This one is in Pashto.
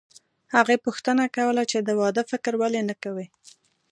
هغې پوښتنه کوله چې د واده فکر ولې نه کوې